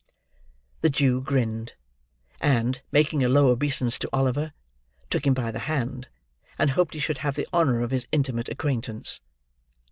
The Jew grinned; and, making a low obeisance to Oliver, took him by the hand, and hoped he should have the honour of his intimate acquaintance.